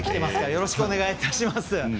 よろしくお願いします。